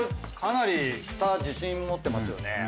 かなり舌自信持ってますよね。